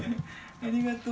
ありがとう。